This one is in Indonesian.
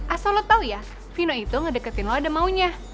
asal lo tau ya vino itu ngedeketin lo ada maunya